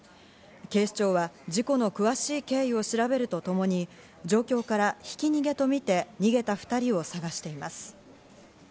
警視庁は事故の詳しい経緯を調べるとともに状況からひき逃げとみて、逃げた２人を探しています。